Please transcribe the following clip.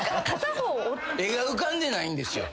絵が浮かんでないんですよ。